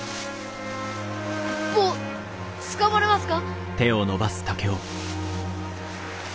坊つかまれますか？